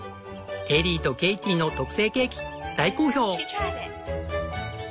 エリーとケイティの特製ケーキ大好評。